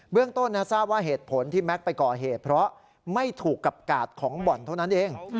เรื่องต้นทราบว่าเหตุผลที่แก๊กไปก่อเหตุเพราะไม่ถูกกับกาดของบ่อนเท่านั้นเอง